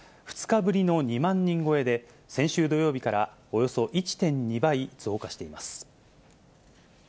２日ぶりの２万人超えで、先週土曜日からおよそ１．２倍増加しています。